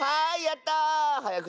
はいやった！